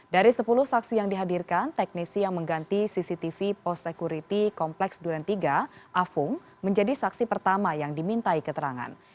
dari sepuluh saksi yang dihadirkan teknisi yang mengganti cctv post security kompleks duren tiga afung menjadi saksi pertama yang dimintai keterangan